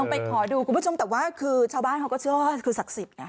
ไปขอดูคุณผู้ชมแต่ว่าคือชาวบ้านเขาก็เชื่อว่าคือศักดิ์สิทธิไง